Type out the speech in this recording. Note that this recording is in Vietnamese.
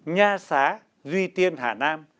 nha xá duy tiên hà nam